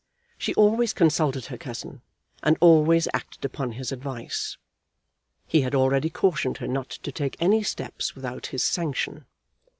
She always consulted her cousin, and always acted upon his advice. He had already cautioned her not to take any steps without his sanction.